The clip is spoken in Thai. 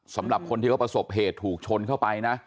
สำหรับคนที่เขาประสบเหตุถูกชนเข้าไปนะ